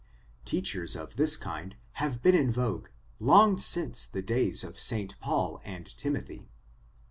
Teachers of this kind have been in vogue, long since the days of St. Paul and Timothy."